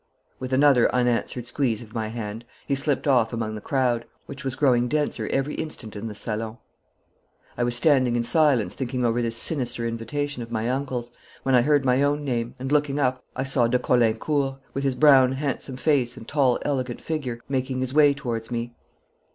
With another unanswered squeeze of my hand, he slipped off among the crowd, which was growing denser every instant in the salon. I was standing in silence thinking over this sinister invitation of my uncle's, when I heard my own name, and, looking up, I saw de Caulaincourt, with his brown handsome face and tall elegant figure, making his way towards me.